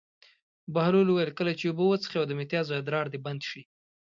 بهلول وویل: کله چې اوبه وڅښې او د متیازو ادرار دې بند شي.